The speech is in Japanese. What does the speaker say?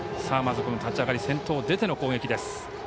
まず立ち上がり先頭、出ての攻撃です。